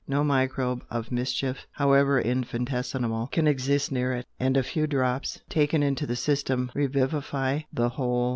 No microbe of mischief, however infinitesimal, can exist near it, and a few drops, taken into the system, revivify the whole."